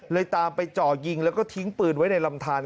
ตามไปจ่อยิงแล้วก็ทิ้งปืนไว้ในลำทาน